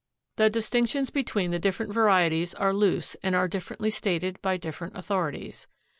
The distinctions between the different varieties are loose and are differently stated by different authorities.